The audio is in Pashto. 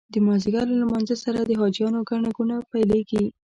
د مازدیګر له لمانځه سره د حاجیانو ګڼه ګوڼه پیلېږي.